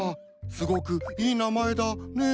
すごくいい名前だね。